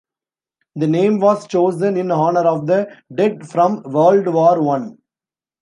The name was chosen in honor of the dead from World War One.